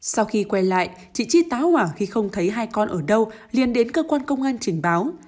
sau khi quen lại chị chi táo hỏa khi không thấy hai con ở đâu liền đến cơ quan công an trình báo